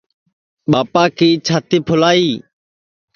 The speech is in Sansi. ٻاپا کی چھاتی پُھلیائی